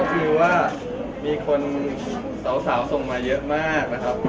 คือว่ามีคนสาวส่งมาเยอะมากนะครับ